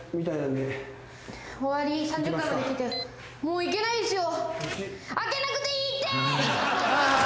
もう行けないですよ。